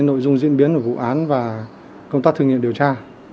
nội dung diễn biến của vụ án và công tác thử nghiệm điều tra